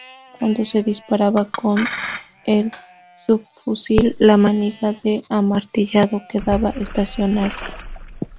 Cuando se disparaba con el subfusil, la manija de amartillado quedaba estacionaria.